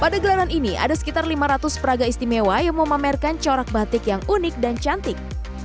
pada gelaran ini ada sekitar lima ratus peraga istimewa yang memamerkan corak batik yang unik dan cantik